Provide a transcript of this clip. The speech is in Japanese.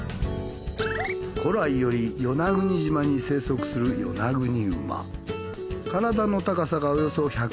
古来より与那国島に生息するヨナグニウマ。